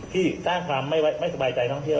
ที่สร้างความไม่สบายใจท่องเที่ยว